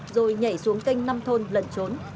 rồi nhảy xuống canh nam thôn lần trốn